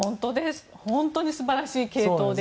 本当に素晴らしい継投です。